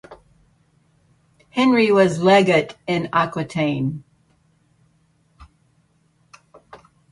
Henry was legate in Aquitaine.